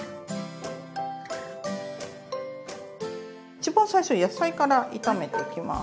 一番最初に野菜から炒めていきます。